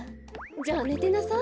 じゃあねてなさい。